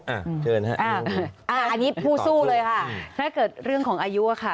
อันนี้ผู้สู้เลยค่ะถ้าเกิดเรื่องของอายุค่ะ